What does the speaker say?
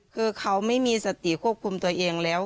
คือเขาไม่มีสติควบคุมตัวเองแล้ว